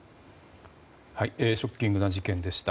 ショッキングな事件でした。